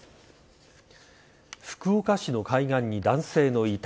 福岡市の海岸に男性の遺体。